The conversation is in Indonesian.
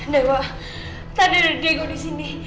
dewa tadi ada diego disini